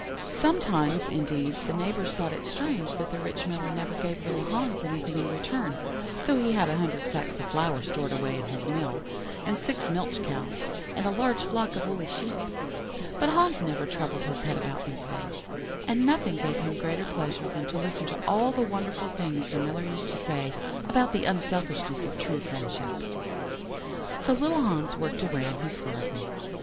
"Sometimes, indeed, the neighbours thought it strange that the rich Miller never gave little Hans anything in return, though he had a hundred sacks of flour stored away in his mill, and six milch cows, and a large flock of woolly sheep; but Hans never troubled his head about these things, and nothing gave him greater pleasure than to listen to all the wonderful things the Miller used to say about the unselfishness of true friendship. "So little Hans worked away in his garden.